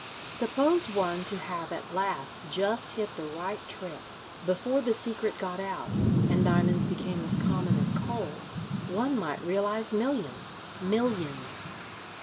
Suppose one to have at last just hit the right trick before the secret got out and diamonds became as common as coal, one might realize millions. Millions!"